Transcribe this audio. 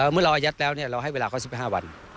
เมื่อเราอายัดแล้วเราให้เวลาเขา๑๕วัน